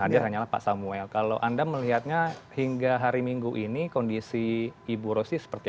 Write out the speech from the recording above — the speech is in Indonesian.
hadir hanyalah pak samuel kalau anda melihatnya hingga hari minggu ini kondisi ibu rosi seperti